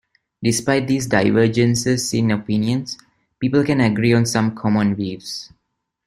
Despite these divergences in opinions, people can agree on some common views.